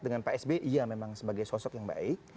dengan psb iya memang sebagai sosok yang baik